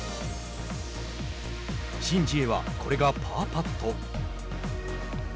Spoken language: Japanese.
シン・ジエはこれがパーパット。